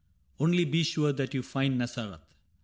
Only be sure that you find Nazareth.'